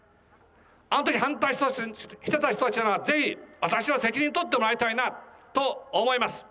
あのとき、反対した人たちは、ぜひ私は責任取ってもらいたいなと思います。